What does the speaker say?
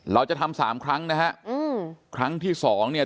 เราจะทำ๓ครั้งนะฮะครั้งที่๒เนี่ย